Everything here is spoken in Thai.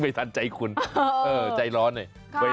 ไม่ทันใจคุณเออใจร้อนเนี่ย